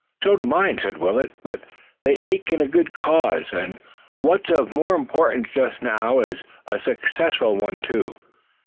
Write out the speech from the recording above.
"So do mine," said Willet, "but they ache in a good cause, and what's of more importance just now a successful one too.